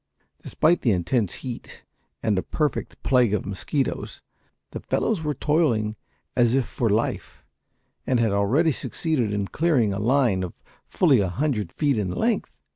Despite the intense heat and a perfect plague of mosquitoes the fellows were toiling as if for life, and had already succeeded in clearing a line of fully a hundred feet in length.